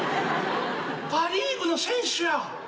パ・リーグの選手や。